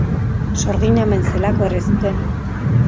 Sorgina omen zelako erre zuten.